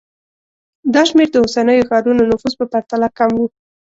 دا شمېر د اوسنیو ښارونو نفوس په پرتله کم و